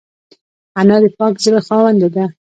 انا د پاک زړه خاونده ده